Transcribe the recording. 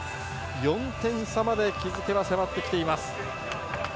４点差まで気づけば迫ってきています。